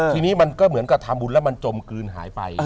ทีนี้มันก็เหมือนกับทำบุญแล้วมันจมกลืนหายไป